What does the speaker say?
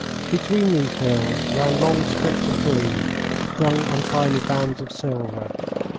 Between these hills ran long strips of green, strung on tiny bands of silver.